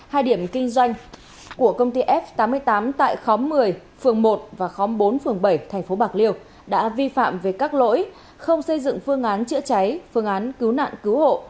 hai điểm kinh doanh của công ty f tám mươi tám tại khóm một mươi phường một và khóm bốn phường bảy tp bạc liêu đã vi phạm về các lỗi không xây dựng phương án chữa cháy phương án cứu nạn cứu hộ